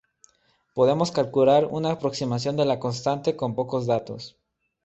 Podemos calcular una aproximación de la constante con pocos datos.